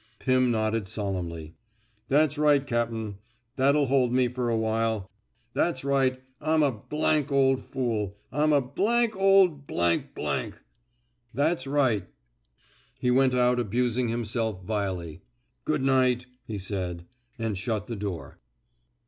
Pirn nodded solemnly. That's right, cap'n. That'll hold me fer awhile. That's right. I'm a ol' fool. I'm a ol' ! That's right." He went out abusing himself vilely. Good night," he said, and shut the door.